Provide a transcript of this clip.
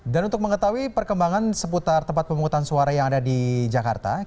dan untuk mengetahui perkembangan seputar tempat pemungutan suara yang ada di jakarta